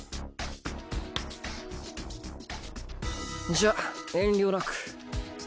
じゃ遠慮なく。